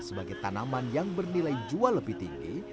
sebagai tanaman yang bernilai jual lebih tinggi